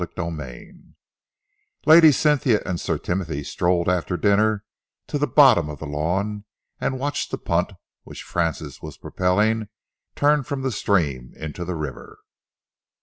CHAPTER XXXII Lady Cynthia and Sir Timothy strolled after dinner to the bottom of the lawn and watched the punt which Francis was propelling turn from the stream into the river.